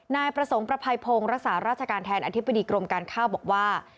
นายประสงค์ประภัยพงศ์รักษาราชการแทนอธิบดีกรมการข้าวบอกว่า